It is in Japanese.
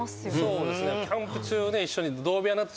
そうですね。